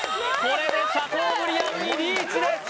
これでシャトーブリアンにリーチです